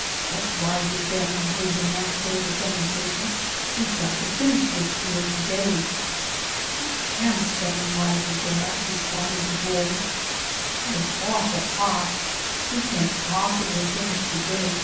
"Step lively, Ben," I heard the man say with some impatience; "we've got to finish this field to day." "I AM steppin' lively, dad," responded the boy, "but it's awful hot. We can't possibly finish to day.